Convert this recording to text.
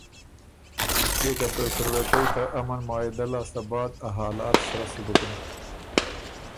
کيې که ته سُروېکئ ته امن معاهدۀ لاسته بعد ا حالات سرۀ سُک بُکِن